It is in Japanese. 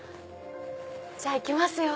じゃあ行きますよ。